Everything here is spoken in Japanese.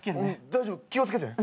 大丈夫気を付けてね。